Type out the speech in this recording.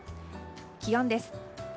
気温です。